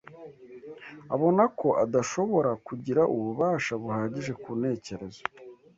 abona ko adashobora kugira ububasha buhagije ku ntekerezo